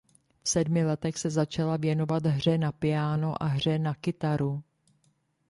V sedmi letech se začala věnovat hře na piáno a hře na kytaru.